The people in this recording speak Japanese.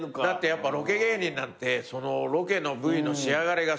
やっぱロケ芸人なんてロケのＶの仕上がりが全てだから。